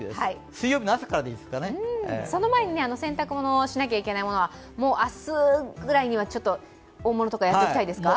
その前に洗濯物をしなきゃいけないのは、もう明日くらいには大物とかやっておきたいですね。